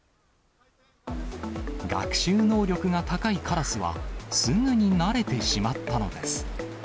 学習能力が高いカラスは、すぐに慣れてしまったのです。